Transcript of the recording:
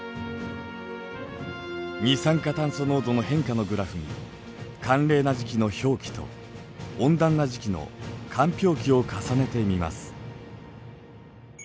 二酸化炭素濃度の変化のグラフに寒冷な時期の氷期と温暖な時期の間氷期を重ねてみます。